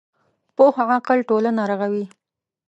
پوخ عقل ټولنه رغوي